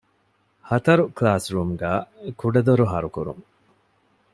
ހަތަރު ކްލާސްރޫމްގައި ކުޑަދޮރު ހަރުކުރުން